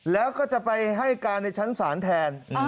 แล้วก็จะไปให้การในชั้นศาลแทน